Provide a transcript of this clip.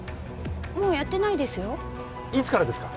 もうやってないですよいつからですか？